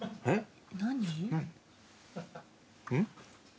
えっ？